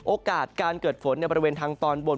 โอกาสการเกิดฝนในบริเวณทางตอนบน